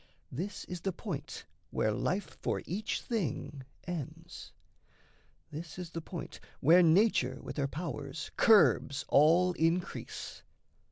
This is the point where life for each thing ends; This is the point where nature with her powers Curbs all increase.